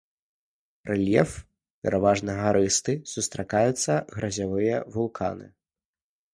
Рэльеф пераважна гарысты, сустракаюцца гразевыя вулканы.